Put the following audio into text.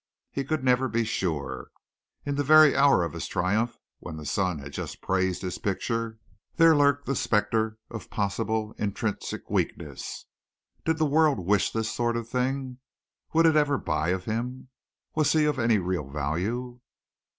He could never be sure. In the very hour of his triumph when the Sun had just praised his picture, there lurked the spectre of possible intrinsic weakness. Did the world wish this sort of thing? Would it ever buy of him? Was he of any real value?